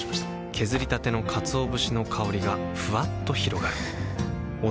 削りたてのかつお節の香りがふわっと広がるはぁ。